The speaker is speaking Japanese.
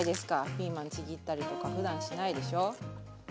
ピーマンちぎったりとかふだんしないでしょ。